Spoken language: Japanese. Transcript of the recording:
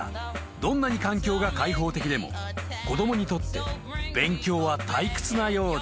どんなに環境が開放的でも子供にとって勉強は退屈なようだ］